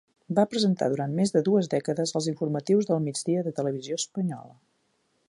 Va presentar durant més de dues dècades els informatius del migdia de Televisió Espanyola.